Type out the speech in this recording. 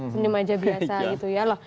senyum aja biasa gitu ya loh